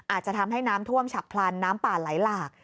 อาจจะทำให้น้ำท่วมฉับพลันน้ำป่าไหลหลาก